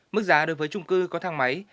mức giá đối với trung cư có thang máy